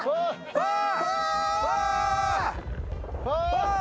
ファー。